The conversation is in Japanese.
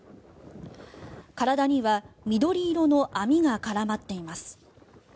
体には緑色の網が絡まっています。